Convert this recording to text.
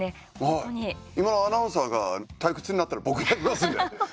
アナウンサーが退屈になったら僕やりますんで。